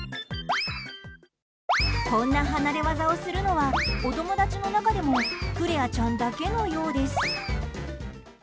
こんな離れ技をするのはお友達の中でもクレアちゃんだけのようです。